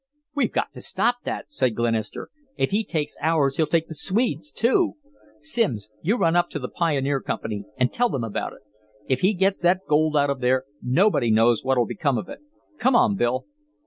"We've got to stop that," said Glenister. "If he takes ours, he'll take the Swedes', too. Simms, you run up to the Pioneer Company and tell them about it. If he gets that gold out of there, nobody knows what'll become of it. Come on, Bill."